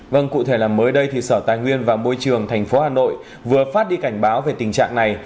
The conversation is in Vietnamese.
vâng cụ thể là mới đây thì sở tài nguyên và môi trường tp hà nội vừa phát đi cảnh báo về tình trạng này